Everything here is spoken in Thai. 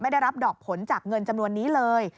ได้รับดอกผลจากเงินจำนวนนี้เลย